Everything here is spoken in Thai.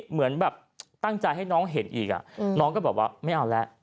เหมือนแบบตั้งใจให้น้องเห็นอีกน้องก็บอกว่าไม่เอาแล้ว